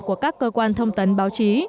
của các cơ quan thông tấn báo chí